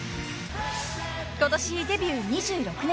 ［今年デビュー２６年目］